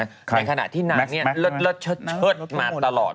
ในขณะที่นางเนี่ยเลิศเชิดมาตลอด